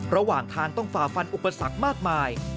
ระหว่างทางต้องฝ่าฟันอุปสรรคมากมาย